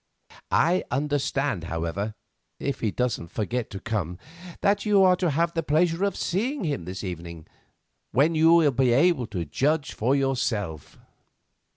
I understand, however—if he doesn't forget to come—that you are to have the pleasure of seeing him this evening, when you will be able to judge for yourself."